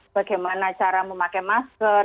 bagaimana cara memakai masker